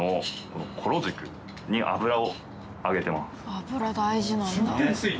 油大事なんだ。